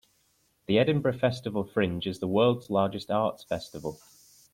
The Edinburgh Festival Fringe is the world's largest arts festival.